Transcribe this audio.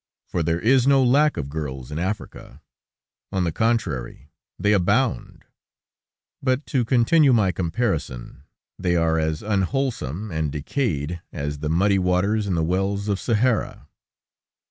For there is no lack of girls in Africa; on the contrary, they abound, but to continue my comparison, they are as unwholesome and decayed as the muddy water in the wells of Sahara.